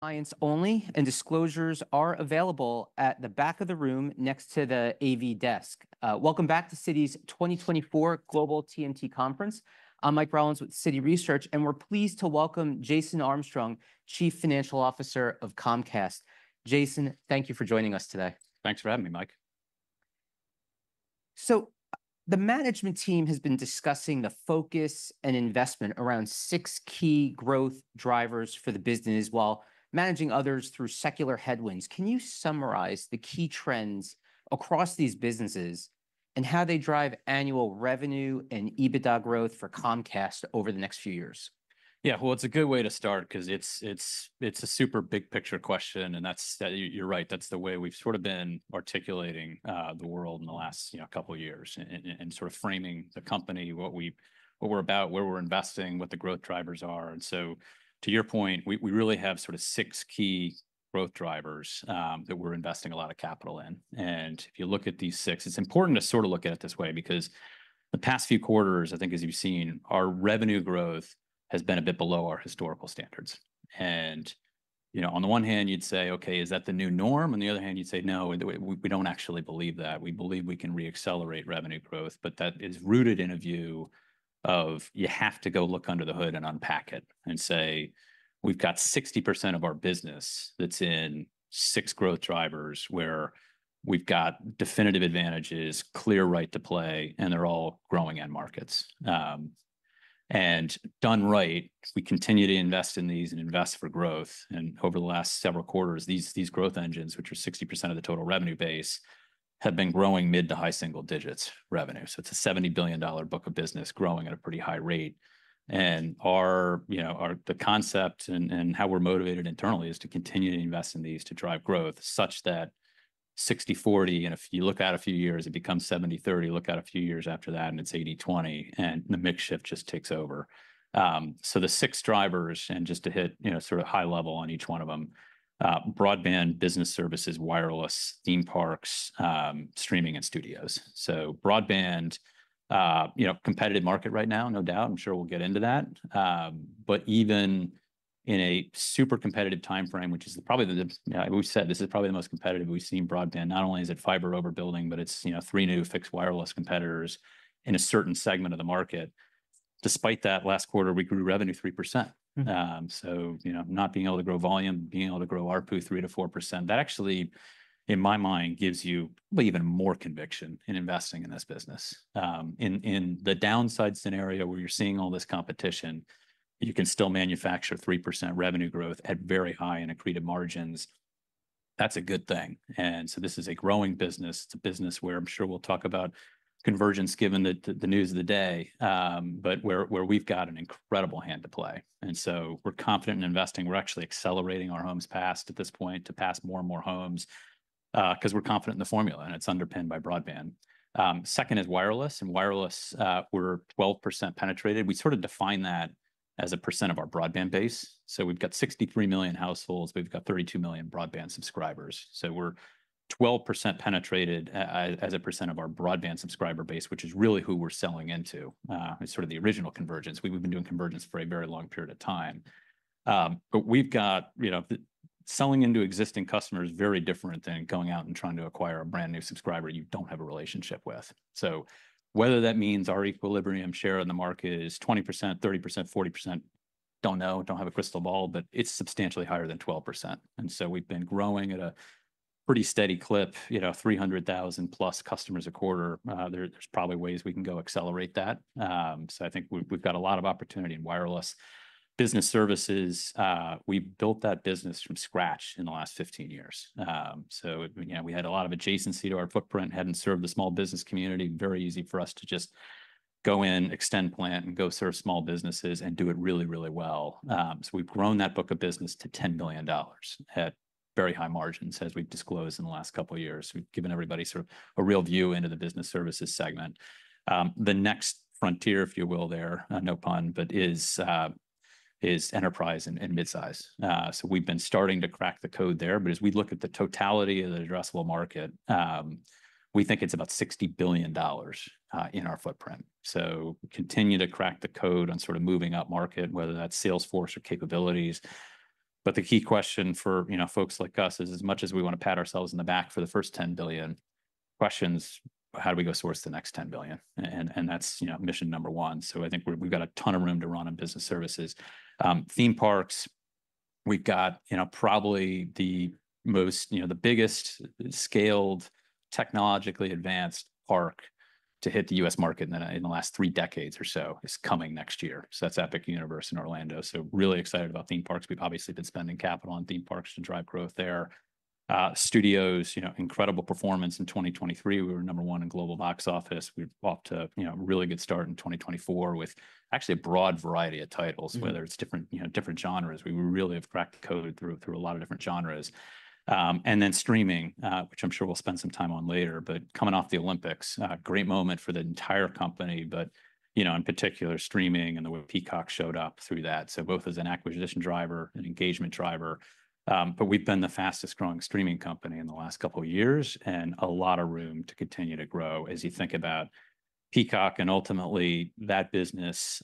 Clients only, and disclosures are available at the back of the room next to the AV desk. Welcome back to Citi's 2024 Global TMT Conference. I'm Mike Rollins with Citi Research, and we're pleased to welcome Jason Armstrong, Chief Financial Officer of Comcast. Jason, thank you for joining us today. Thanks for having me, Mike. The management team has been discussing the focus and investment around six key growth drivers for the business, while managing others through secular headwinds. Can you summarize the key trends across these businesses and how they drive annual revenue and EBITDA growth for Comcast over the next few years? Yeah, well, it's a good way to start 'cause it's a super big-picture question, and that's, you're right, that's the way we've sort of been articulating the world in the last, you know, couple years and sort of framing the company, what we're about, where we're investing, what the growth drivers are. And so to your point, we really have sort of six key growth drivers that we're investing a lot of capital in. And if you look at these six... It's important to sort of look at it this way because the past few quarters, I think as you've seen, our revenue growth has been a bit below our historical standards. You know, on the one hand you'd say, "Okay, is that the new norm?" On the other hand, you'd say, "No, we, we don't actually believe that." We believe we can re-accelerate revenue growth, but that is rooted in a view of you have to go look under the hood and unpack it and say, "We've got 60% of our business that's in six growth drivers, where we've got definitive advantages, clear right to play, and they're all growing end markets, and done right, we continue to invest in these and invest for growth, and over the last several quarters, these growth engines, which are 60% of the total revenue base, have been growing mid- to high-single-digits revenue. So it's a $70 billion book of business growing at a pretty high rate, and our, you know, our... The concept and how we're motivated internally is to continue to invest in these to drive growth, such that 60/40, and if you look out a few years, it becomes 70/30. Look out a few years after that, and it's 80/20, and the mix shift just takes over. So the six drivers, and just to hit, you know, sort of high level on each one of them, broadband, business services, wireless, theme parks, streaming, and studios. So broadband, you know, competitive market right now, no doubt. I'm sure we'll get into that. But even in a super competitive timeframe, which is probably the, we've said this is probably the most competitive we've seen broadband. Not only is it fiber overbuilding, but it's, you know, three new fixed wireless competitors in a certain segment of the market. Despite that, last quarter, we grew revenue 3%. Mm. So, you know, not being able to grow volume, being able to grow ARPU 3%-4%, that actually, in my mind, gives you even more conviction in investing in this business. In the downside scenario, where you're seeing all this competition, you can still manufacture 3% revenue growth at very high and accretive margins. That's a good thing, and so this is a growing business. It's a business where I'm sure we'll talk about convergence, given the news of the day, but where we've got an incredible hand to play, and so we're confident in investing. We're actually accelerating our homes passed at this point to pass more and more homes, 'cause we're confident in the formula, and it's underpinned by broadband. Second is wireless, and wireless, we're 12% penetrated. We sort of define that as a % of our broadband base, so we've got 63 million households, we've got 32 million broadband subscribers. So we're 12% penetrated as a percent of our broadband subscriber base, which is really who we're selling into. It's sort of the original convergence. We've been doing convergence for a very long period of time. But we've got. You know, selling into existing customers is very different than going out and trying to acquire a brand-new subscriber you don't have a relationship with. So whether that means our equilibrium share in the market is 20%, 30%, 40%, don't know, don't have a crystal ball, but it's substantially higher than 12%. We've been growing at a pretty steady clip, you know, 300,000-plus customers a quarter. There's probably ways we can go accelerate that. I think we've got a lot of opportunity in wireless. Business services, we built that business from scratch in the last 15 years. You know, we had a lot of adjacency to our footprint, hadn't served the small business community. Very easy for us to just go in, extend plant, and go serve small businesses and do it really, really well. We've grown that book of business to $10 billion at very high margins, as we've disclosed in the last couple years. We've given everybody sort of a real view into the business services segment. The next frontier, if you will, there, no pun, but is enterprise and midsize. So we've been starting to crack the code there, but as we look at the totality of the addressable market, we think it's about $60 billion in our footprint. So continue to crack the code on sort of moving upmarket, whether that's sales force or capabilities. But the key question for, you know, folks like us is, as much as we want to pat ourselves on the back for the first 10 billion, question is: How do we go source the next 10 billion? And that's, you know, mission number one. So I think we've got a ton of room to run on business services. Theme parks, we've got, you know, probably the most, you know, the biggest scaled, technologically advanced park to hit the U.S. market in the last three decades or so is coming next year. So that's Epic Universe in Orlando, so really excited about theme parks. We've obviously been spending capital on theme parks to drive growth there. Studios, you know, incredible performance in 2023. We were number one in global box office. We're off to, you know, a really good start in 2024 with actually a broad variety of titles- Mm... whether it's different, you know, different genres. We really have cracked the code through a lot of different genres, and then streaming, which I'm sure we'll spend some time on later, but coming off the Olympics, a great moment for the entire company, but, you know, in particular, streaming and the way Peacock showed up through that, so both as an acquisition driver and engagement driver, but we've been the fastest-growing streaming company in the last couple years, and a lot of room to continue to grow as you think about Peacock, and ultimately that business,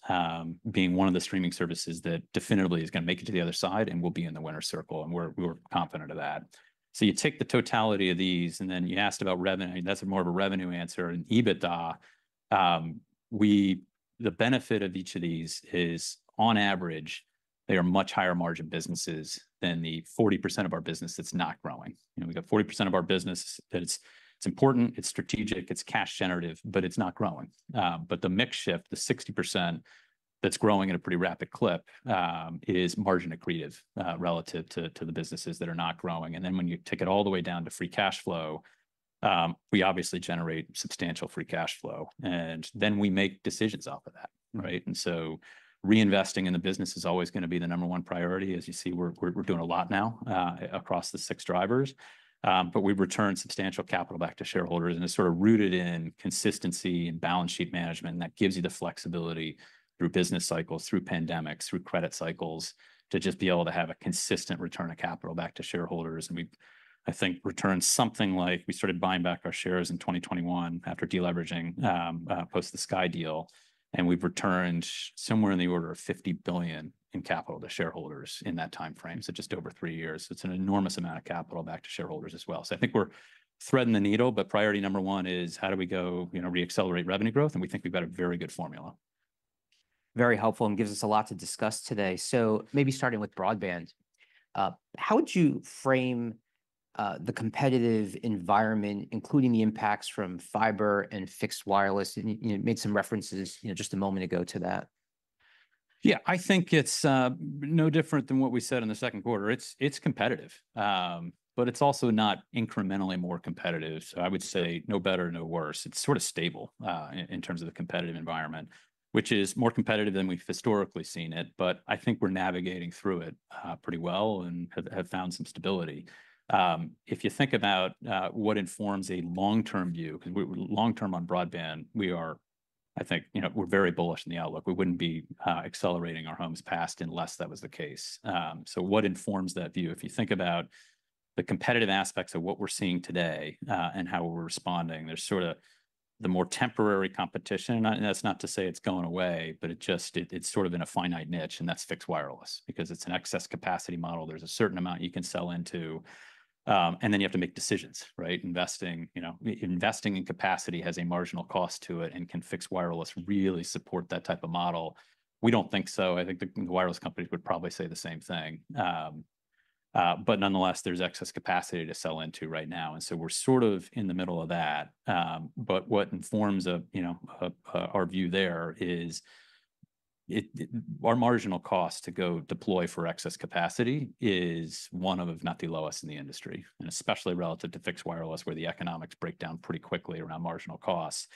being one of the streaming services that definitively is gonna make it to the other side and will be in the winner's circle, and we're confident of that. So you take the totality of these, and then you asked about revenue. I mean, that's more of a revenue answer. In EBITDA, the benefit of each of these is, on average, they are much higher margin businesses than the 40% of our business that's not growing. You know, we've got 40% of our business that it's important, it's strategic, it's cash generative, but it's not growing. But the mix shift, the 60% that's growing at a pretty rapid clip, is margin accretive, relative to the businesses that are not growing. And then when you take it all the way down to free cash flow, we obviously generate substantial free cash flow, and then we make decisions off of that, right? And so reinvesting in the business is always gonna be the number one priority. As you see, we're doing a lot now, across the six drivers. But we've returned substantial capital back to shareholders, and it's sort of rooted in consistency and balance sheet management, and that gives you the flexibility through business cycles, through pandemics, through credit cycles, to just be able to have a consistent return of capital back to shareholders. And we've, I think, returned something like... We started buying back our shares in 2021 after de-leveraging, post the Sky deal, and we've returned somewhere in the order of $50 billion in capital to shareholders in that timeframe, so just over three years. It's an enormous amount of capital back to shareholders as well. So I think we're threading the needle, but priority number one is how do we go, you know, re-accelerate revenue growth? And we think we've got a very good formula. Very helpful and gives us a lot to discuss today. So maybe starting with broadband, how would you frame the competitive environment, including the impacts from fiber and fixed wireless? And you made some references, you know, just a moment ago to that. Yeah, I think it's no different than what we said in the second quarter. It's competitive, but it's also not incrementally more competitive. So I would say no better, no worse. It's sort of stable in terms of the competitive environment, which is more competitive than we've historically seen it, but I think we're navigating through it pretty well and have found some stability. If you think about what informs a long-term view, 'cause we're long term on broadband, we are. I think, you know, we're very bullish on the outlook. We wouldn't be accelerating our homes passed unless that was the case. So what informs that view? If you think about the competitive aspects of what we're seeing today and how we're responding, there's sort of the more temporary competition. And that's not to say it's going away, but it just, it's sort of in a finite niche, and that's fixed wireless. Because it's an excess capacity model, there's a certain amount you can sell into, and then you have to make decisions, right? Investing, you know, investing in capacity has a marginal cost to it, and can fixed wireless really support that type of model? We don't think so. I think the wireless companies would probably say the same thing. But nonetheless, there's excess capacity to sell into right now, and so we're sort of in the middle of that. But what informs, you know, our view there is our marginal cost to go deploy for excess capacity is one of, if not the lowest in the industry, and especially relative to fixed wireless, where the economics break down pretty quickly around marginal costs.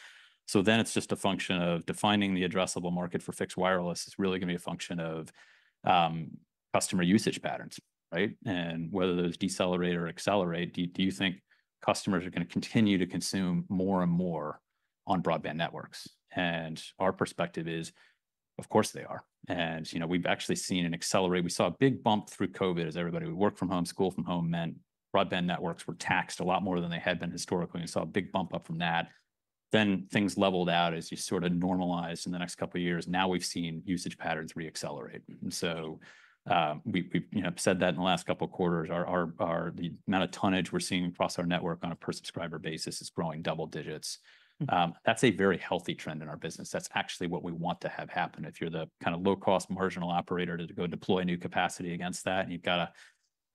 So then it's just a function of defining the addressable market for fixed wireless. It's really gonna be a function of customer usage patterns, right? And whether those decelerate or accelerate, do you think customers are gonna continue to consume more and more on broadband networks? And our perspective is, of course, they are. You know, we've actually seen an acceleration. We saw a big bump through COVID as everybody would work from home, school from home, meant broadband networks were taxed a lot more than they had been historically, and we saw a big bump up from that. Then things leveled out as you sort of normalized in the next couple of years. Now we've seen usage patterns reaccelerate, and so, we've, you know, said that in the last couple of quarters. The amount of tonnage we're seeing across our network on a per-subscriber basis is growing double digits. That's a very healthy trend in our business. That's actually what we want to have happen. If you're the kind of low-cost marginal operator to go deploy new capacity against that, and you've got to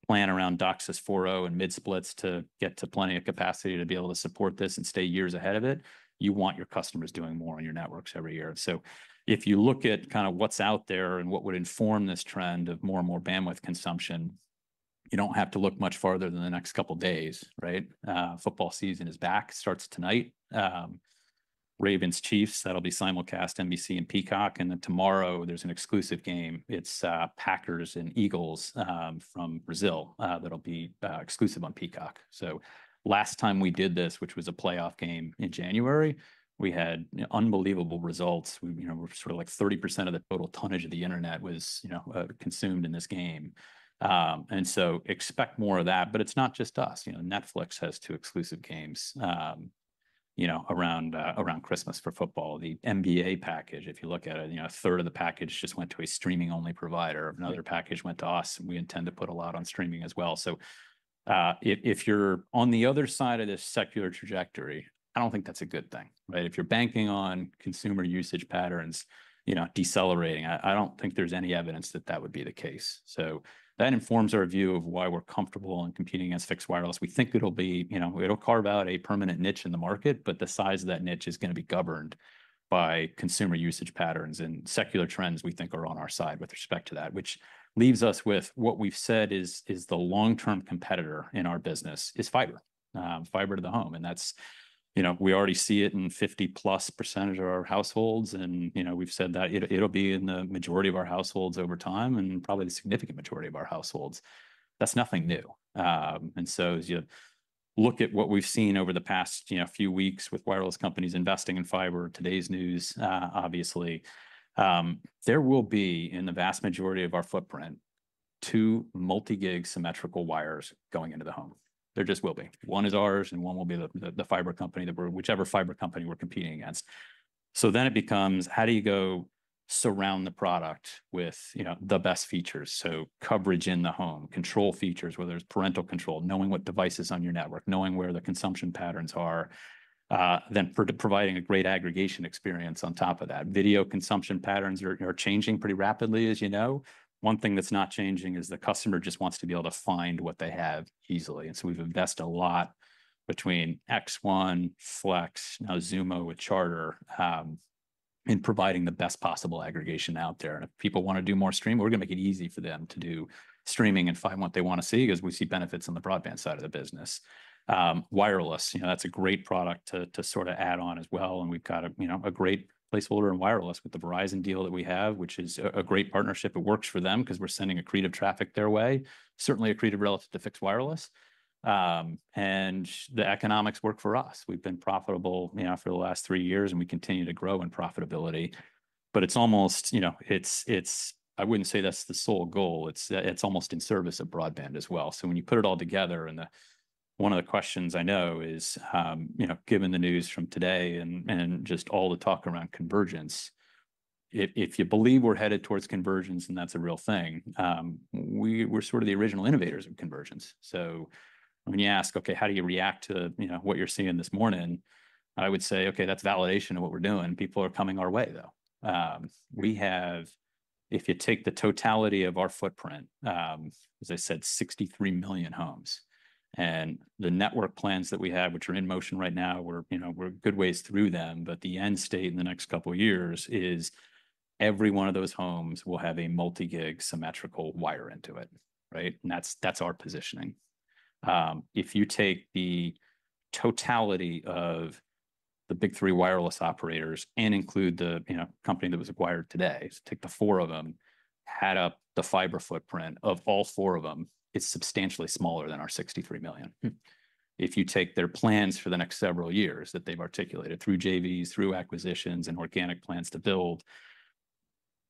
plan around DOCSIS 4.0 and mid-splits to get to plenty of capacity to be able to support this and stay years ahead of it, you want your customers doing more on your networks every year. So if you look at kind of what's out there and what would inform this trend of more and more bandwidth consumption, you don't have to look much farther than the next couple of days, right? Football season is back, starts tonight. Ravens-Chiefs, that'll be simulcast NBC and Peacock, and then tomorrow there's an exclusive game. It's Packers and Eagles from Brazil, that'll be exclusive on Peacock. So last time we did this, which was a playoff game in January, we had unbelievable results. We, you know, sort of like 30% of the total tonnage of the internet was, you know, consumed in this game, and so expect more of that, but it's not just us. You know, Netflix has two exclusive games, you know, around Christmas for football. The NBA package, if you look at it, you know, a third of the package just went to a streaming-only provider. Another package went to us, and we intend to put a lot on streaming as well, so if you're on the other side of this secular trajectory, I don't think that's a good thing, right? If you're banking on consumer usage patterns, you know, decelerating, I don't think there's any evidence that that would be the case, so that informs our view of why we're comfortable in competing against fixed wireless. We think it'll be... You know, it'll carve out a permanent niche in the market, but the size of that niche is gonna be governed by consumer usage patterns, and secular trends, we think, are on our side with respect to that. Which leaves us with what we've said is the long-term competitor in our business is fiber, fiber to the home, and that's. You know, we already see it in 50-plus% of our households, and, you know, we've said that it, it'll be in the majority of our households over time, and probably the significant majority of our households. That's nothing new. And so as you look at what we've seen over the past, you know, few weeks with wireless companies investing in fiber, today's news, obviously, there will be, in the vast majority of our footprint two multi-gig symmetrical wires going into the home. There just will be. One is ours, and one will be the fiber company that we're whichever fiber company we're competing against. So then it becomes, how do you go surround the product with, you know, the best features? So coverage in the home, control features, whether it's parental control, knowing what devices on your network, knowing where the consumption patterns are, then for providing a great aggregation experience on top of that. Video consumption patterns are changing pretty rapidly, as you know. One thing that's not changing is the customer just wants to be able to find what they have easily, and so we've invested a lot between X1, Flex, now Xumo with Charter, in providing the best possible aggregation out there. And if people wanna do more streaming, we're gonna make it easy for them to do streaming and find what they wanna see 'cause we see benefits on the broadband side of the business. Wireless, you know, that's a great product to sort of add on as well, and we've got, you know, a great placeholder in wireless with the Verizon deal that we have, which is a great partnership. It works for them 'cause we're sending accretive traffic their way, certainly accretive relative to fixed wireless. And the economics work for us. We've been profitable, you know, for the last three years, and we continue to grow in profitability. But it's almost. You know, I wouldn't say that's the sole goal. It's almost in service of broadband as well. So when you put it all together, and one of the questions I know is, you know, given the news from today and just all the talk around convergence, if you believe we're headed towards convergence, and that's a real thing, we're sort of the original innovators of convergence. So when you ask, "Okay, how do you react to, you know, what you're seeing this morning?" I would say, "Okay, that's validation of what we're doing." People are coming our way, though. We have, if you take the totality of our footprint, as I said, 63 million homes, and the network plans that we have, which are in motion right now, we're, you know, we're a good ways through them, but the end state in the next couple of years is every one of those homes will have a multi-gig symmetrical wire into it, right? And that's, that's our positioning. If you take the totality of the big three wireless operators and include the, you know, company that was acquired today, so take the four of them, add up the fiber footprint of all four of them, it's substantially smaller than our 63 million. If you take their plans for the next several years that they've articulated through JVs, through acquisitions, and organic plans to build,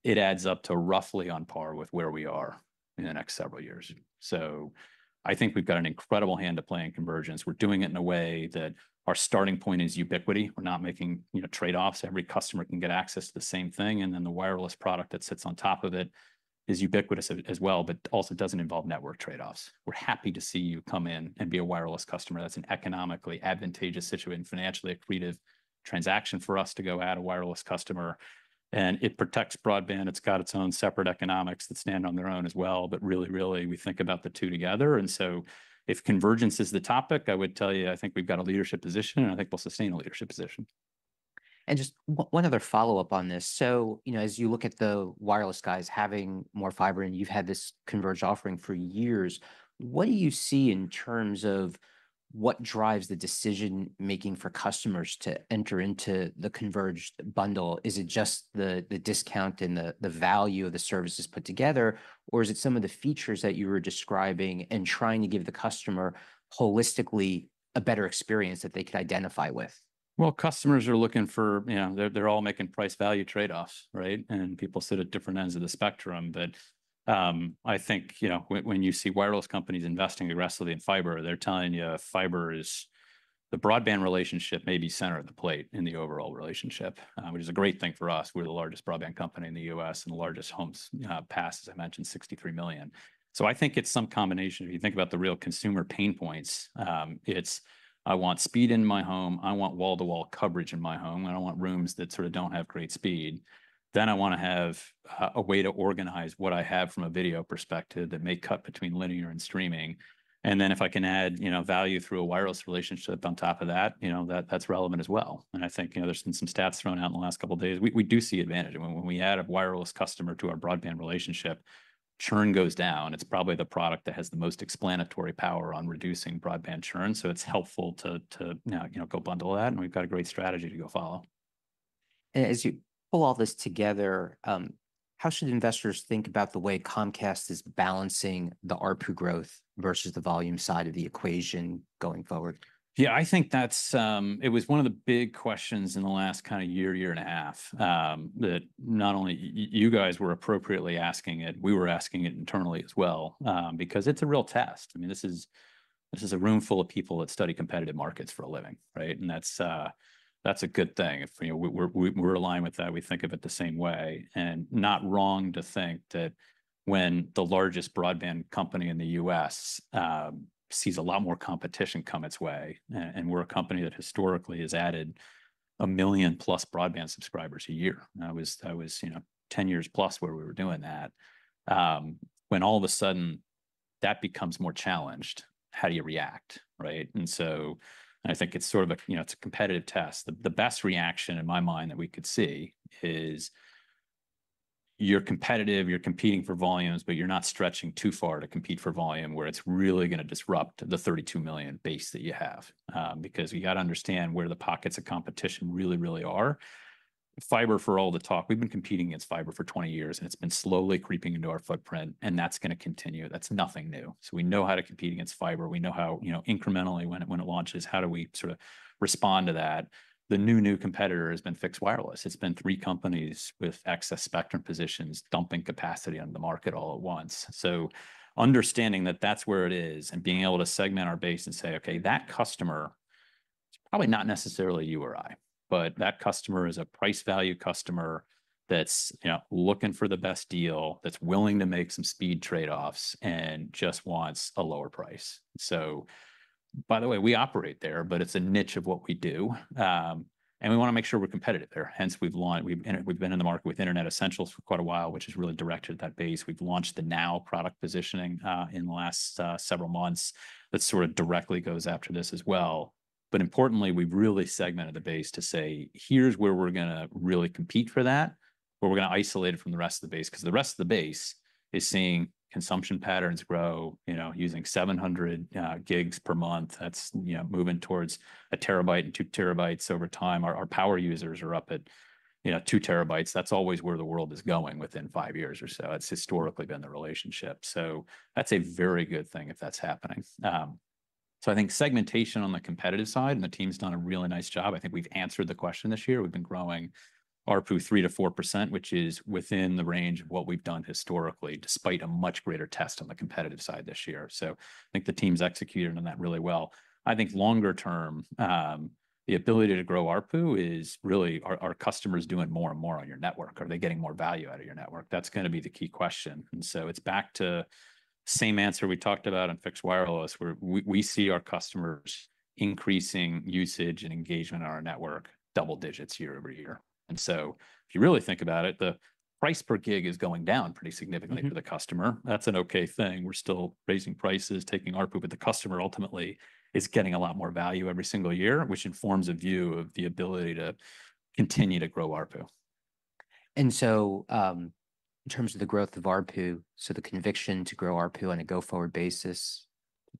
it adds up to roughly on par with where we are in the next several years. So I think we've got an incredible hand to play in convergence. We're doing it in a way that our starting point is ubiquity. We're not making, you know, trade-offs. Every customer can get access to the same thing, and then the wireless product that sits on top of it is ubiquitous as, as well, but also doesn't involve network trade-offs. We're happy to see you come in and be a wireless customer. That's an economically advantageous situation, financially accretive transaction for us to go add a wireless customer, and it protects broadband. It's got its own separate economics that stand on their own as well. But really, really, we think about the two together, and so if convergence is the topic, I would tell you, I think we've got a leadership position, and I think we'll sustain a leadership position. And just one other follow-up on this: so, you know, as you look at the wireless guys having more fiber, and you've had this converged offering for years, what do you see in terms of what drives the decision-making for customers to enter into the converged bundle? Is it just the discount and the value of the services put together, or is it some of the features that you were describing and trying to give the customer holistically a better experience that they could identify with? Customers are looking for. You know, they're all making price-value trade-offs, right? And people sit at different ends of the spectrum. But I think, you know, when you see wireless companies investing aggressively in fiber, they're telling you fiber is the broadband relationship may be center at the plate in the overall relationship, which is a great thing for us. We're the largest broadband company in the U.S. and the largest homes passed, as I mentioned, 63 million. So I think it's some combination. If you think about the real consumer pain points, it's "I want speed in my home. I want wall-to-wall coverage in my home. I don't want rooms that sort of don't have great speed. Then I wanna have a way to organize what I have from a video perspective that may cut between linear and streaming. And then if I can add, you know, value through a wireless relationship on top of that, you know, that, that's relevant as well." And I think, you know, there's been some stats thrown out in the last couple of days. We do see advantage. When we add a wireless customer to our broadband relationship, churn goes down. It's probably the product that has the most explanatory power on reducing broadband churn, so it's helpful to you know, you know, go bundle that, and we've got a great strategy to go follow. As you pull all this together, how should investors think about the way Comcast is balancing the ARPU growth versus the volume side of the equation going forward? Yeah, I think that's. It was one of the big questions in the last kind of year and a half, that not only you guys were appropriately asking it, we were asking it internally as well, because it's a real test. I mean, this is a room full of people that study competitive markets for a living, right? And that's a good thing. If you know, we're aligned with that, we think of it the same way. And not wrong to think that when the largest broadband company in the U.S. sees a lot more competition come its way, and we're a company that historically has added a million-plus broadband subscribers a year. That was 10 years plus where we were doing that. When all of a sudden that becomes more challenged, how do you react, right? And so, and I think it's sort of a, you know, it's a competitive test. The best reaction in my mind that we could see is you're competitive, you're competing for volumes, but you're not stretching too far to compete for volume, where it's really gonna disrupt the 32 million base that you have. Because you've got to understand where the pockets of competition really, really are. Fiber for all the talk, we've been competing against fiber for 20 years, and it's been slowly creeping into our footprint, and that's gonna continue. That's nothing new. So we know how to compete against fiber. We know how, you know, incrementally, when it, when it launches, how do we sort of respond to that? The new competitor has been fixed wireless. It's been three companies with excess spectrum positions dumping capacity on the market all at once. So understanding that that's where it is and being able to segment our base and say, "Okay, that customer," it's probably not necessarily you or I, but, "That customer is a price value customer that's, you know, looking for the best deal, that's willing to make some speed trade-offs and just wants a lower price." So by the way, we operate there, but it's a niche of what we do. And we wanna make sure we're competitive there, hence we've been in the market with Internet Essentials for quite a while, which has really directed that base. We've launched the NOW product positioning in the last several months that sort of directly goes after this as well. But importantly, we've really segmented the base to say, "Here's where we're gonna really compete for that, where we're gonna isolate it from the rest of the base." 'Cause the rest of the base is seeing consumption patterns grow, you know, using 700 gigs per month. That's, you know, moving towards a terabyte and two terabytes over time. Our power users are up at, you know, two terabytes. That's always where the world is going within five years or so. It's historically been the relationship, so that's a very good thing if that's happening. So I think segmentation on the competitive side, and the team's done a really nice job. I think we've answered the question this year. We've been growing ARPU 3%-4%, which is within the range of what we've done historically, despite a much greater test on the competitive side this year. So I think the team's executed on that really well. I think longer term, the ability to grow ARPU is really are customers doing more and more on your network? Are they getting more value out of your network? That's gonna be the key question, and so it's back to same answer we talked about in fixed wireless, where we see our customers increasing usage and engagement on our network double digits year over year. And so if you really think about it, the price per gig is going down pretty significantly. Mm-hmm... for the customer. That's an okay thing. We're still raising prices, taking ARPU, but the customer ultimately is getting a lot more value every single year, which informs a view of the ability to continue to grow ARPU. And so, in terms of the growth of ARPU, so the conviction to grow ARPU on a go-forward basis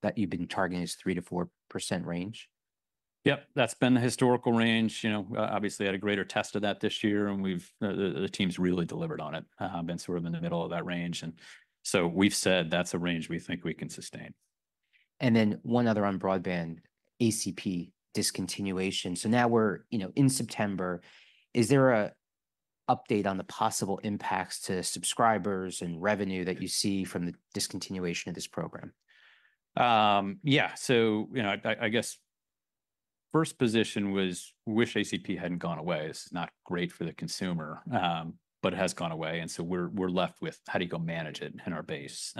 that you've been targeting is 3%-4% range? Yep, that's been the historical range. You know, obviously, had a greater test of that this year, and we've, the team's really delivered on it, been sort of in the middle of that range. And so we've said that's a range we think we can sustain. And then one other on broadband, ACP discontinuation. So now we're, you know, in September. Is there an update on the possible impacts to subscribers and revenue that you see from the discontinuation of this program? Yeah, so, you know, I guess first position was wish ACP hadn't gone away. This is not great for the consumer, but it has gone away, and so we're left with how do you go manage it in our base.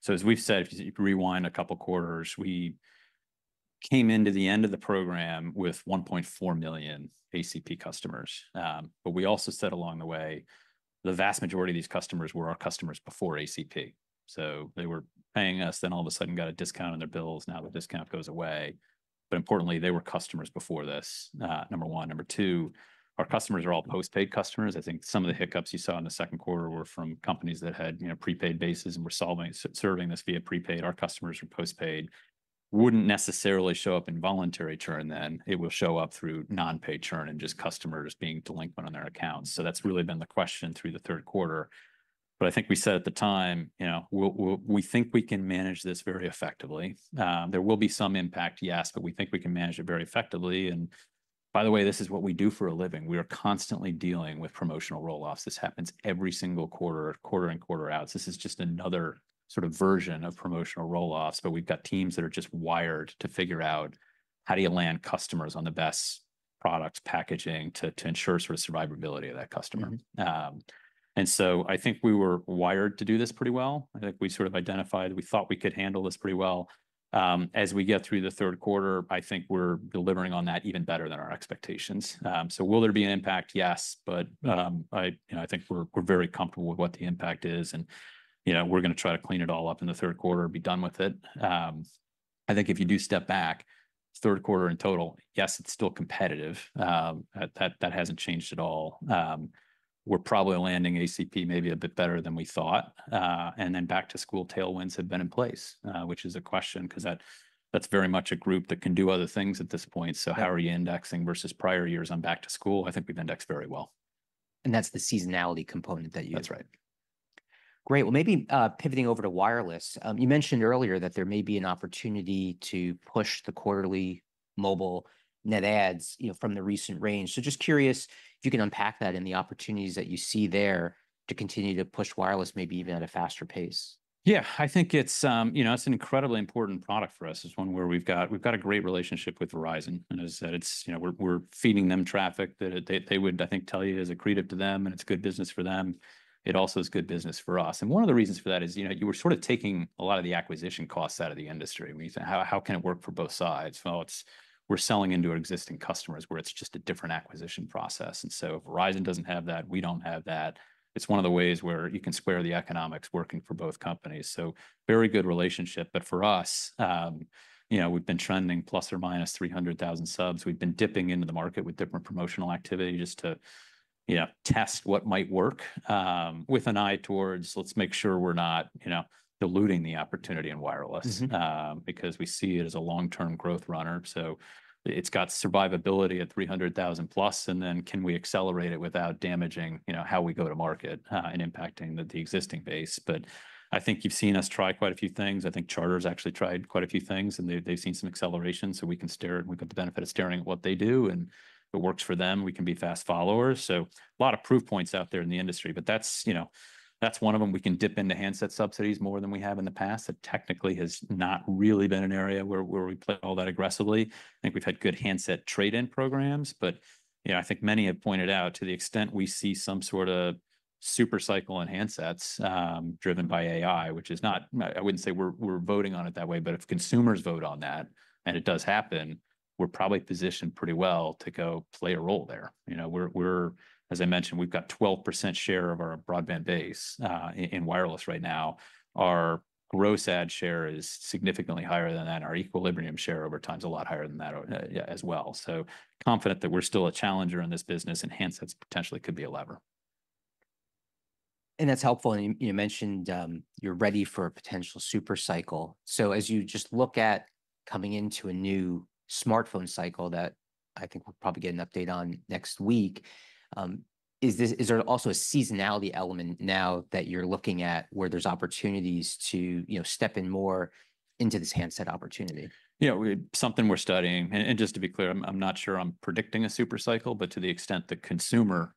So as we've said, if you rewind a couple of quarters, we came into the end of the program with 1.4 million ACP customers. But we also said along the way, the vast majority of these customers were our customers before ACP, so they were paying us, then all of a sudden got a discount on their bills. Now the discount goes away. But importantly, they were customers before this, number one. Number two, our customers are all postpaid customers. I think some of the hiccups you saw in the second quarter were from companies that had, you know, prepaid bases and were solving, serving this via prepaid. Our customers were postpaid. Wouldn't necessarily show up in voluntary churn then. It will show up through non-paid churn and just customers being delinquent on their accounts. So that's really been the question through the third quarter. But I think we said at the time, you know, we think we can manage this very effectively. There will be some impact, yes, but we think we can manage it very effectively. And by the way, this is what we do for a living. We are constantly dealing with promotional roll-offs. This happens every single quarter, quarter in, quarter out. This is just another sort of version of promotional roll-offs, but we've got teams that are just wired to figure out, how do you land customers on the best products, packaging, to, to ensure sort of survivability of that customer? Mm-hmm. And so I think we were wired to do this pretty well. I think we sort of identified, we thought we could handle this pretty well. As we get through the third quarter, I think we're delivering on that even better than our expectations. So will there be an impact? Yes, but you know I think we're very comfortable with what the impact is, and you know we're gonna try to clean it all up in the third quarter and be done with it. I think if you do step back, third quarter in total, yes, it's still competitive. That hasn't changed at all. We're probably landing ACP maybe a bit better than we thought. And then back-to-school tailwinds have been in place, which is a question, 'cause that's very much a group that can do other things at this point. So how are you indexing versus prior years on back to school? I think we've indexed very well. And that's the seasonality component that you- That's right. Great. Well, maybe, pivoting over to wireless, you mentioned earlier that there may be an opportunity to push the quarterly mobile net adds, you know, from the recent range. So just curious if you can unpack that and the opportunities that you see there to continue to push wireless, maybe even at a faster pace. Yeah, I think it's, you know, it's an incredibly important product for us. It's one where we've got a great relationship with Verizon, and as I said, it's, you know, we're feeding them traffic that they would, I think, tell you is accretive to them, and it's good business for them. It also is good business for us. And one of the reasons for that is, you know, you were sort of taking a lot of the acquisition costs out of the industry. I mean, how can it work for both sides? Well, it's... We're selling into our existing customers, where it's just a different acquisition process, and so if Verizon doesn't have that, we don't have that. It's one of the ways where you can square the economics working for both companies, so very good relationship. But for us, you know, we've been trending plus or minus three hundred thousand subs. We've been dipping into the market with different promotional activity just to, you know, test what might work, with an eye towards let's make sure we're not, you know, diluting the opportunity in wireless- Mm-hmm... because we see it as a long-term growth runner. So it's got survivability at three hundred thousand plus, and then can we accelerate it without damaging, you know, how we go to market, and impacting the existing base? But I think you've seen us try quite a few things. I think Charter's actually tried quite a few things, and they, they've seen some acceleration, so we've got the benefit of staring at what they do, and if it works for them, we can be fast followers. A lot of proof points out there in the industry, but that's, you know, that's one of them. We can dip into handset subsidies more than we have in the past. That technically has not really been an area where we play all that aggressively. I think we've had good handset trade-in programs, but, you know, I think many have pointed out, to the extent we see some sort of super cycle in handsets, driven by AI, which is not. I wouldn't say we're voting on it that way, but if consumers vote on that, and it does happen, we're probably positioned pretty well to go play a role there. You know, we're, as I mentioned, we've got 12% share of our broadband base in wireless right now. Our gross add share is significantly higher than that, and our equilibrium share over time's a lot higher than that, as well. So confident that we're still a challenger in this business, and handsets potentially could be a lever. And that's helpful, and you mentioned you're ready for a potential super cycle. So as you just look at coming into a new smartphone cycle that I think we'll probably get an update on next week, is there also a seasonality element now that you're looking at, where there's opportunities to, you know, step in more into this handset opportunity? Yeah, something we're studying. And just to be clear, I'm not sure I'm predicting a super cycle, but to the extent the consumer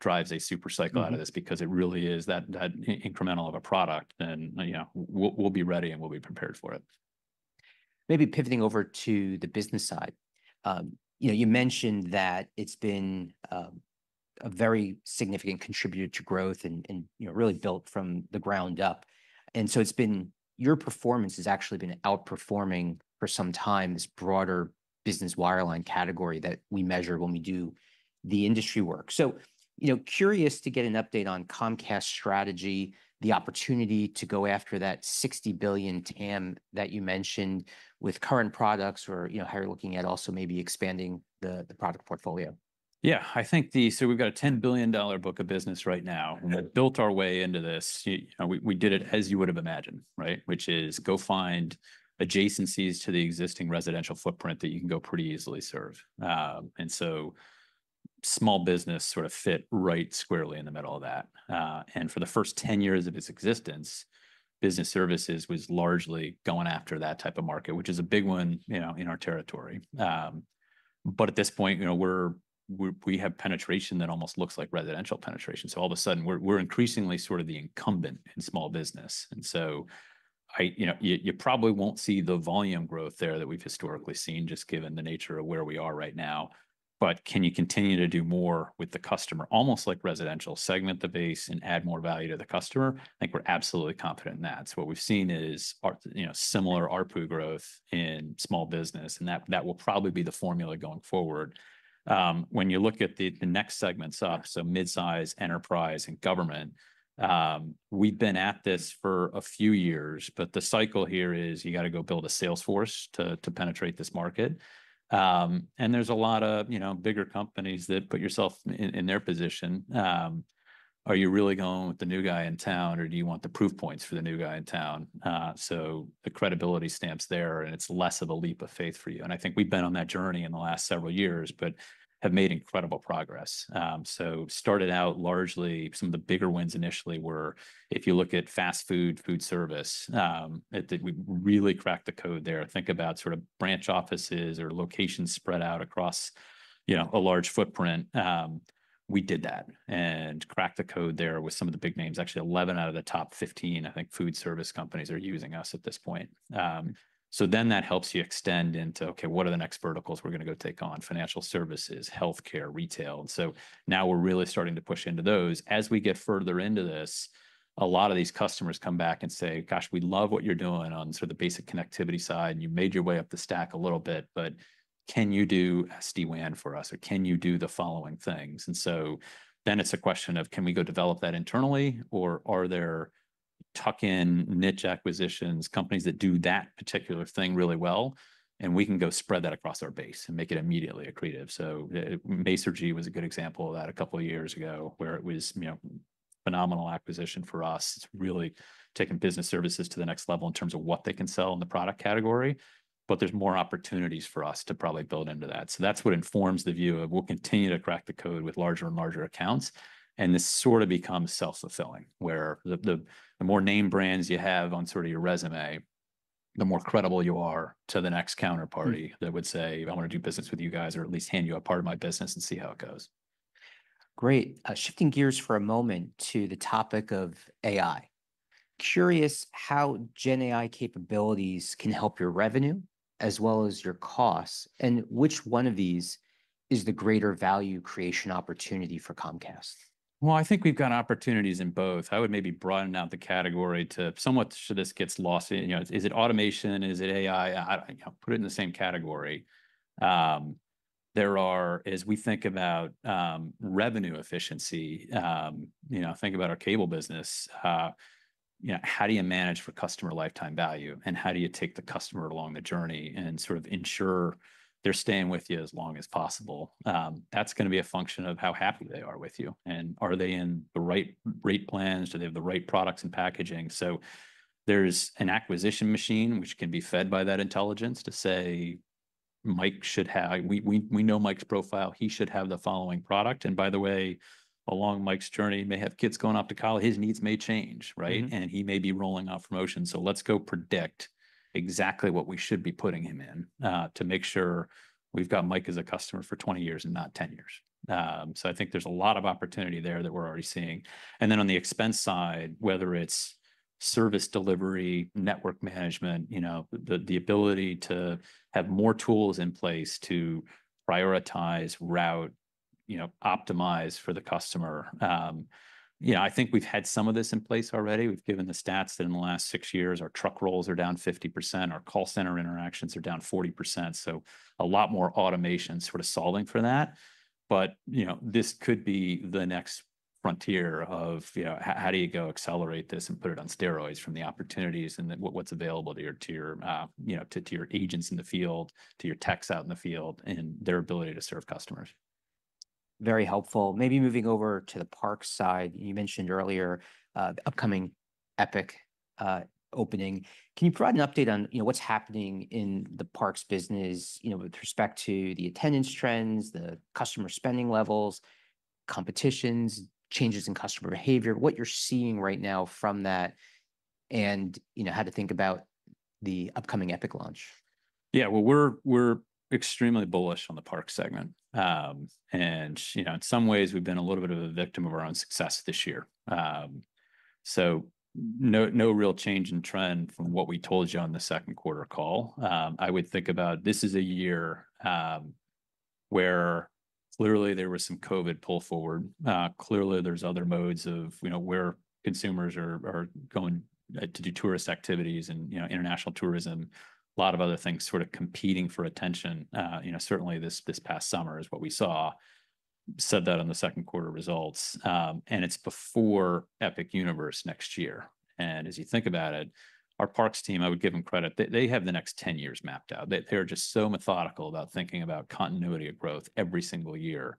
drives a super cycle- Mm-hmm... out of this, because it really is that incremental of a product, then, you know, we'll be ready, and we'll be prepared for it. Maybe pivoting over to the business side, you know, you mentioned that it's been a very significant contributor to growth and, you know, really built from the ground up, and so it's been... Your performance has actually been outperforming for some time this broader business wireline category that we measure when we do the industry work. So, you know, curious to get an update on Comcast's strategy, the opportunity to go after that $60 billion TAM that you mentioned with current products or, you know, how you're looking at also maybe expanding the product portfolio. Yeah, I think so we've got a $10 billion book of business right now. Mm-hmm. And built our way into this. You and we, we did it as you would've imagined, right? Which is go find adjacencies to the existing residential footprint that you can go pretty easily serve. And so small business sort of fit right squarely in the middle of that. And for the first ten years of its existence, business services was largely going after that type of market, which is a big one, you know, in our territory. But at this point, you know, we're, we have penetration that almost looks like residential penetration, so all of a sudden, we're increasingly sort of the incumbent in small business. And so I. You know, you probably won't see the volume growth there that we've historically seen, just given the nature of where we are right now, but can you continue to do more with the customer? Almost like residential. Segment the base and add more value to the customer. I think we're absolutely confident in that so what we've seen is our, you know, similar ARPU growth in small business, and that will probably be the formula going forward. When you look at the next segments up, so midsize, enterprise, and government, we've been at this for a few years, but the cycle here is you gotta go build a sales force to penetrate this market. And there's a lot of, you know, bigger companies that. Put yourself in their position, are you really going with the new guy in town, or do you want the proof points for the new guy in town? So the credibility stamp's there, and it's less of a leap of faith for you, and I think we've been on that journey in the last several years but have made incredible progress. So started out largely some of the bigger wins initially were if you look at fast food, food service, we really cracked the code there. Think about sort of branch offices or locations spread out across, you know, a large footprint. We did that and cracked the code there with some of the big names. Actually, 11 out of the top 15, I think, food service companies are using us at this point. So then that helps you extend into, okay, what are the next verticals we're gonna go take on? Financial services, healthcare, retail, and so now we're really starting to push into those. As we get further into this, a lot of these customers come back and say, "Gosh, we love what you're doing on sort of the basic connectivity side, and you made your way up the stack a little bit, but can you do SD-WAN for us, or can you do the following things?" And so then it's a question of: Can we go develop that internally, or are there tuck-in, niche acquisitions, companies that do that particular thing really well? And we can go spread that across our base and make it immediately accretive. So, Masergy was a good example of that a couple of years ago, where it was, you know, phenomenal acquisition for us. It's really taken business services to the next level in terms of what they can sell in the product category, but there's more opportunities for us to probably build into that. So that's what informs the view of we'll continue to crack the code with larger and larger accounts, and this sort of becomes self-fulfilling, where the more name brands you have on sort of your resume, the more credible you are to the next counterparty- Mm... that would say, "I wanna do business with you guys, or at least hand you a part of my business and see how it goes. Great. Shifting gears for a moment to the topic of AI. Curious how Gen AI capabilities can help your revenue as well as your costs, and which one of these is the greater value creation opportunity for Comcast? I think we've got opportunities in both. I would maybe broaden out the category to some extent. Sure, this gets lost in, you know, is it automation? Is it AI? You know, put it in the same category. As we think about revenue efficiency, you know, think about our cable business. You know, how do you manage for customer lifetime value, and how do you take the customer along the journey and sort of ensure they're staying with you as long as possible? That's gonna be a function of how happy they are with you, and are they in the right rate plans? Do they have the right products and packaging? So there's an acquisition machine which can be fed by that intelligence to say Mike should have. We know Mike's profile, he should have the following product. And by the way, along Mike's journey, he may have kids going off to college, his needs may change, right? Mm-hmm. He may be rolling off promotion, so let's go predict exactly what we should be putting him in, to make sure we've got Mike as a customer for twenty years and not ten years. I think there's a lot of opportunity there that we're already seeing. On the expense side, whether it's service delivery, network management, you know, the ability to have more tools in place to prioritize, route, you know, optimize for the customer. You know, I think we've had some of this in place already. We've given the stats that in the last six years, our truck rolls are down 50%, our call center interactions are down 40%, so a lot more automation sort of solving for that. But, you know, this could be the next frontier of, you know, how do you go accelerate this and put it on steroids from the opportunities and then what, what's available to your, to your, you know, to your agents in the field, to your techs out in the field, and their ability to serve customers. Very helpful. Maybe moving over to the parks side. You mentioned earlier, the upcoming Epic, opening. Can you provide an update on, you know, what's happening in the parks business, you know, with respect to the attendance trends, the customer spending levels, competitions, changes in customer behavior, what you're seeing right now from that and, you know, how to think about the upcoming Epic launch? Yeah, well, we're extremely bullish on the parks segment. And, you know, in some ways we've been a little bit of a victim of our own success this year. So no real change in trend from what we told you on the second quarter call. I would think about this is a year where literally there was some COVID pull forward. Clearly, there's other modes of, you know, where consumers are going to do tourist activities and, you know, international tourism, a lot of other things sort of competing for attention. You know, certainly this past summer is what we saw. Said that on the second quarter results, and it's before Epic Universe next year. As you think about it, our parks team, I would give them credit, they have the next ten years mapped out. They, they're just so methodical about thinking about continuity of growth every single year.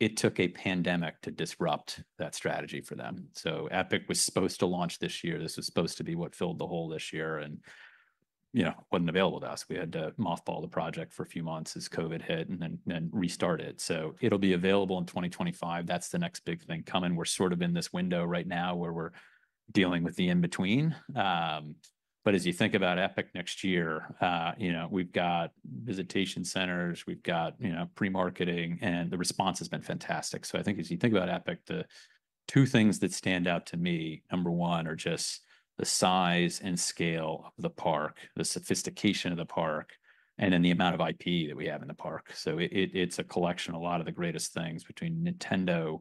It took a pandemic to disrupt that strategy for them. So Epic was supposed to launch this year. This was supposed to be what filled the hole this year and, you know, wasn't available to us. We had to mothball the project for a few months as COVID hit and then restart it. So it'll be available in 2025. That's the next big thing coming. We're sort of in this window right now where we're dealing with the in-between. But as you think about Epic next year, you know, we've got visitation centers, we've got, you know, pre-marketing, and the response has been fantastic. So I think as you think about Epic, the two things that stand out to me, number one, are just the size and scale of the park, the sophistication of the park, and then the amount of IP that we have in the park. So it's a collection of a lot of the greatest things between Nintendo,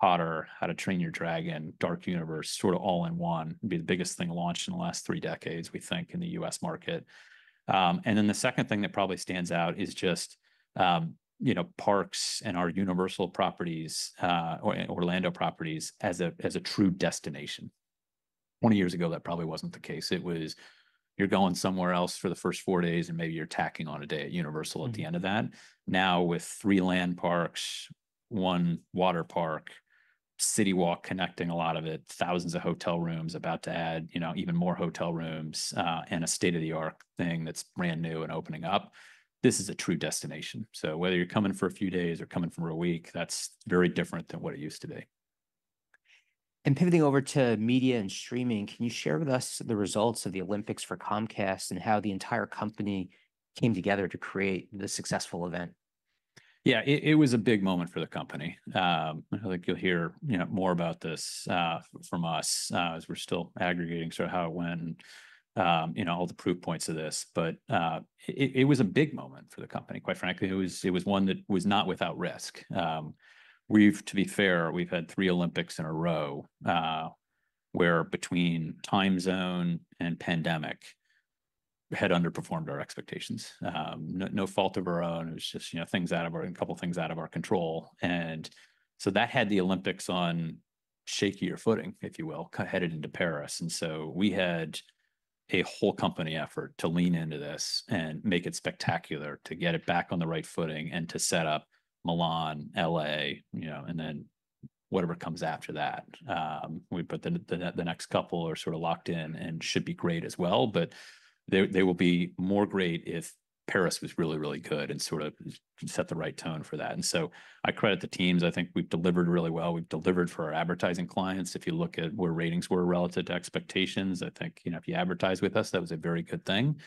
Potter, How to Train Your Dragon, Dark Universe, sort of all-in-one. It'd be the biggest thing launched in the last three decades, we think, in the U.S. market. And then the second thing that probably stands out is just, you know, parks and our Universal properties, or Orlando properties as a true destination. Twenty years ago, that probably wasn't the case. It was, you're going somewhere else for the first four days, and maybe you're tacking on a day at Universal at the end of that. Mm. Now, with three land parks, one water park, CityWalk connecting a lot of it, thousands of hotel rooms, about to add, you know, even more hotel rooms, and a state-of-the-art thing that's brand new and opening up, this is a true destination. So whether you're coming for a few days or coming for a week, that's very different than what it used to be. Pivoting over to media and streaming, can you share with us the results of the Olympics for Comcast and how the entire company came together to create this successful event? Yeah, it was a big moment for the company. I think you'll hear, you know, more about this from us as we're still aggregating sort of how it went and, you know, all the proof points of this. But, it was a big moment for the company. Quite frankly, it was one that was not without risk. To be fair, we've had three Olympics in a row where between time zone and pandemic, had underperformed our expectations. No fault of our own, it was just, you know, things out of our... a couple things out of our control. And so that had the Olympics on shakier footing, if you will, co-headed into Paris, and so we had a whole company effort to lean into this and make it spectacular, to get it back on the right footing, and to set up Milan, LA, you know, and then whatever comes after that. The next couple are sort of locked in and should be great as well, but they will be more great if Paris was really, really good and sort of set the right tone for that. And so I credit the teams. I think we've delivered really well. We've delivered for our advertising clients. If you look at where ratings were relative to expectations, I think, you know, if you advertise with us, that was a very good thing.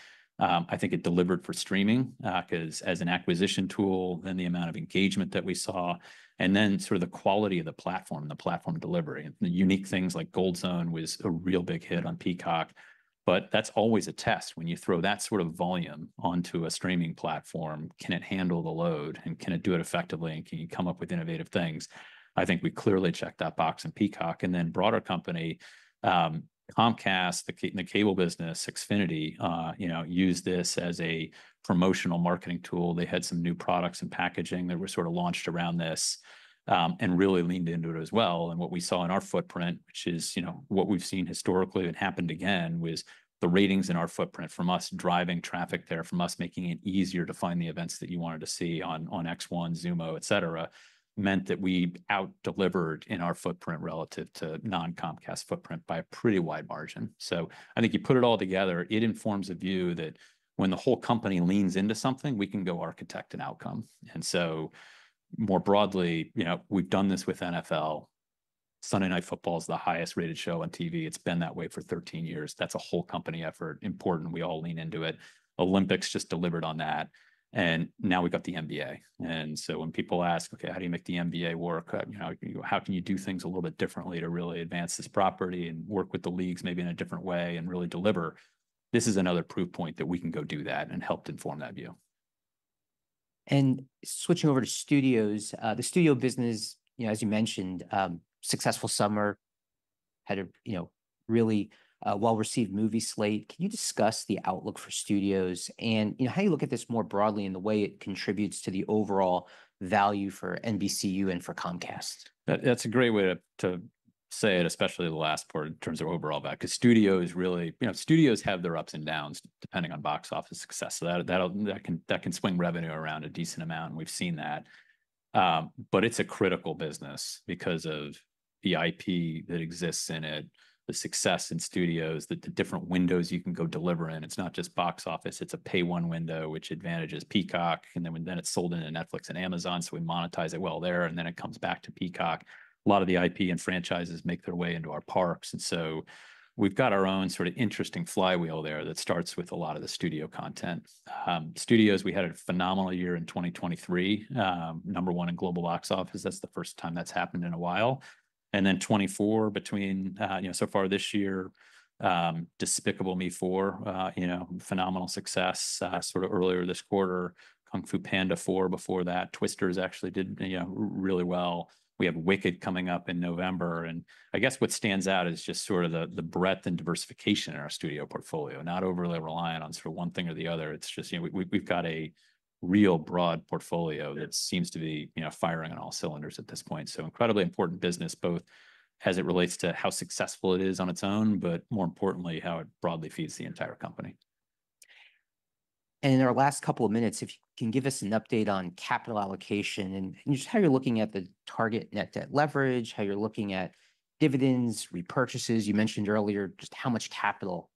I think it delivered for streaming, 'cause as an acquisition tool, then the amount of engagement that we saw, and then sort of the quality of the platform, the platform delivery. The unique things like Gold Zone was a real big hit on Peacock, but that's always a test. When you throw that sort of volume onto a streaming platform, can it handle the load? And can it do it effectively, and can you come up with innovative things? I think we clearly checked that box in Peacock. Then the broader company, Comcast, the cable business, Xfinity, you know, used this as a promotional marketing tool. They had some new products and packaging that were sort of launched around this, and really leaned into it as well. What we saw in our footprint, which is, you know, what we've seen historically, and it happened again, was the ratings in our footprint from us driving traffic there, from us making it easier to find the events that you wanted to see on X1, Xumo, et cetera, meant that we out-delivered in our footprint relative to non-Comcast footprint by a pretty wide margin. So I think you put it all together, it informs a view that when the whole company leans into something, we can go architect an outcome. And so, more broadly, you know, we've done this with NFL Sunday Night Football. It is the highest-rated show on TV. It has been that way for 13 years. That is a whole company effort. Important, we all lean into it. Olympics just delivered on that, and now we've got the NBA. And so when people ask, "Okay, how do you make the NBA work? you know, how can you do things a little bit differently to really advance this property and work with the leagues maybe in a different way and really deliver?" This is another proof point that we can go do that, and helped inform that view. Switching over to studios, the studio business, you know, as you mentioned, successful summer, had a really well-received movie slate. Can you discuss the outlook for studios and, you know, how you look at this more broadly and the way it contributes to the overall value for NBCU and for Comcast? That's a great way to say it, especially the last part in terms of overall value. 'Cause studios really... You know, studios have their ups and downs, depending on box office success. So that can swing revenue around a decent amount, and we've seen that. But it's a critical business because of the IP that exists in it, the success in studios, the different windows you can go deliver in. It's not just box office, it's a Pay 1 window, which advantages Peacock, and then it's sold into Netflix and Amazon, so we monetize it well there, and then it comes back to Peacock. A lot of the IP and franchises make their way into our parks, and so we've got our own sort of interesting flywheel there that starts with a lot of the studio content. Studios, we had a phenomenal year in 2023, number one in global box office. That's the first time that's happened in a while, and then 2024, between, you know, so far this year, Despicable Me 4, you know, phenomenal success, sort of earlier this quarter. Kung Fu Panda 4 before that. Twisters actually did, you know, really well. We have Wicked coming up in November, and I guess what stands out is just sort of the breadth and diversification in our studio portfolio, not overly reliant on sort of one thing or the other. It's just, you know, we've got a real broad portfolio that seems to be, you know, firing on all cylinders at this point. So incredibly important business, both as it relates to how successful it is on its own, but more importantly, how it broadly feeds the entire company. And in our last couple of minutes, if you can give us an update on capital allocation and just how you're looking at the target net debt leverage, how you're looking at dividends, repurchases. You mentioned earlier just how much capital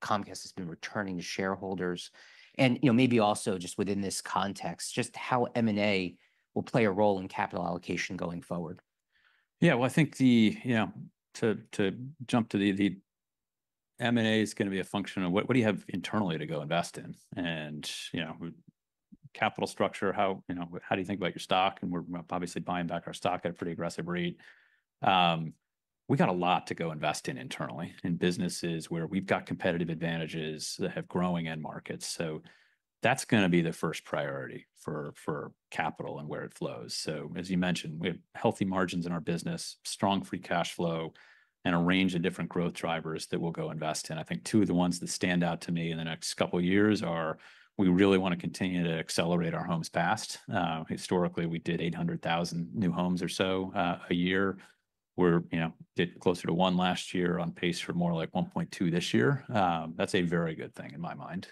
Comcast has been returning to shareholders. And, you know, maybe also just within this context, just how M&A will play a role in capital allocation going forward. Yeah, well, I think, you know, to jump to the M&A is gonna be a function of what do you have internally to go invest in. And, you know, capital structure, how, you know, how do you think about your stock. And we're obviously buying back our stock at a pretty aggressive rate. We got a lot to go invest in internally, in businesses where we've got competitive advantages that have growing end markets, so that's gonna be the first priority for capital and where it flows. So as you mentioned, we have healthy margins in our business, strong free cash flow, and a range of different growth drivers that we'll go invest in. I think two of the ones that stand out to me in the next couple of years are, we really want to continue to accelerate our homes passed. Historically, we did eight hundred thousand new homes or so, a year. We're, you know, did closer to one last year, on pace for more like one point two this year. That's a very good thing in my mind.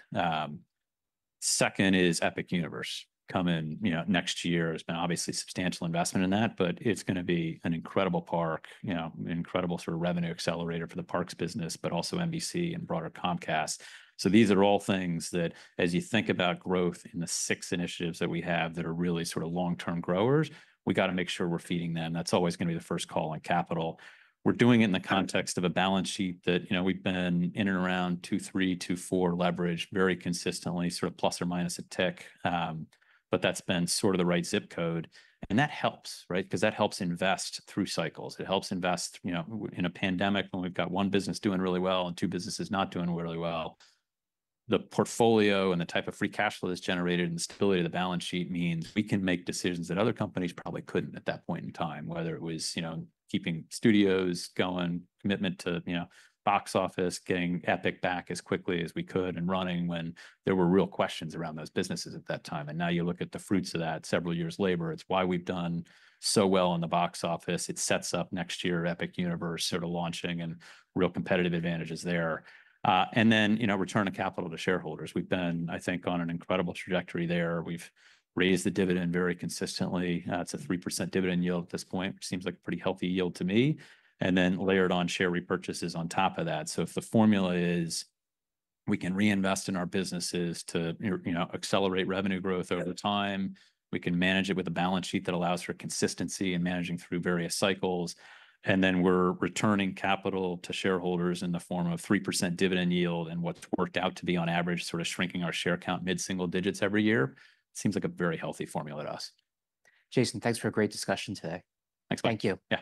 Second is Epic Universe coming, you know, next year. There's been obviously substantial investment in that, but it's gonna be an incredible park, you know, an incredible sort of revenue accelerator for the parks business, but also NBC and broader Comcast. So these are all things that, as you think about growth in the six initiatives that we have that are really sort of long-term growers, we've gotta make sure we're feeding them. That's always gonna be the first call on capital. We're doing it in the context of a balance sheet that, you know, we've been in and around 2.3-2.4 leverage very consistently, sort of plus or minus a tick. But that's been sort of the right zip code, and that helps, right? Because that helps invest through cycles. It helps invest, you know, in a pandemic when we've got one business doing really well and two businesses not doing really well. The portfolio and the type of free cash flow that's generated and the stability of the balance sheet means we can make decisions that other companies probably couldn't at that point in time, whether it was, you know, keeping studios going, commitment to, you know, box office, getting Epic back as quickly as we could and running when there were real questions around those businesses at that time. And now you look at the fruits of that, several years' labor. It's why we've done so well in the box office. It sets up next year, Epic Universe sort of launching and real competitive advantages there. And then, you know, return of capital to shareholders. We've been, I think, on an incredible trajectory there. We've raised the dividend very consistently. It's a 3% dividend yield at this point, which seems like a pretty healthy yield to me, and then layered on share repurchases on top of that. So if the formula is, we can reinvest in our businesses to, you know, accelerate revenue growth over time, we can manage it with a balance sheet that allows for consistency in managing through various cycles, and then we're returning capital to shareholders in the form of 3% dividend yield and what's worked out to be, on average, sort of shrinking our share count mid-single digits every year, seems like a very healthy formula to us. Jason, thanks for a great discussion today. Thanks, Mike. Thank you. Yeah.